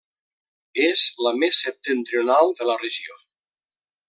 És la més septentrional de la regió.